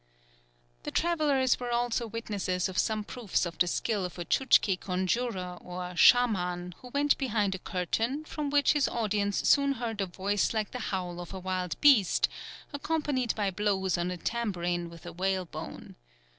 The travellers were also witnesses of some proofs of the skill of a Tchouktchi conjurer, or chaman, who went behind a curtain, from which his audience soon heard a voice like the howl of a wild beast, accompanied by blows on a tambourine with a whale bone.